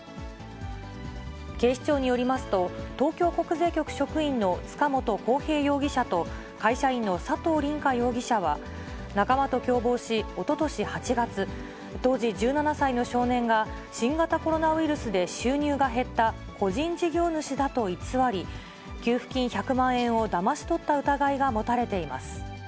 警視庁によりますと、東京国税局職員の塚本晃平容疑者と、会社員の佐藤凜果容疑者は、仲間と共謀し、おととし８月、当時１７歳の少年が新型コロナウイルスで収入が減った個人事業主だと偽り、給付金１００万円をだまし取った疑いが持たれています。